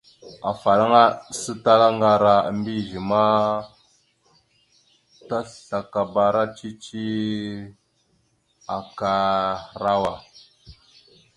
Afalaŋa aɗəsatalá ŋgar a mbiyez ma, taslakabara cici akahərawa.